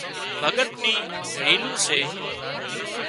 ڀڳت نِي رِيلون سي